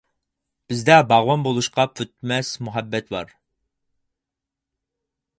بىزدە باغۋەن بولۇشقا پۈتمەس مۇھەببەت بار!